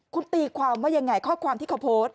คุณตีความว่ายังไงข้อความที่เขาโพสต์